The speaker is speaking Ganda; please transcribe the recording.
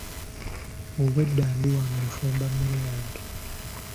Obwedda ndi wano nfumba mmere yange.